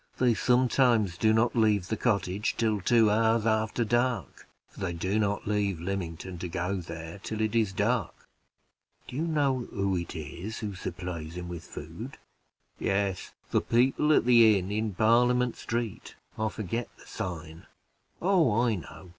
They sometimes do not leave the cottage till two hours after dark, for they do not leave Lymington to go there till it is dark." "Do you know who it is who supplies him with food?" "Yes, the people at the inn in Parliament street I forget the sign." "Oh, I know.